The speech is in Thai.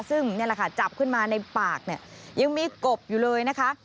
ซึ่งนี่แหละค่ะจับขึ้นมาในปากเนี่ยยังมีกบอยู่เลยนะคะ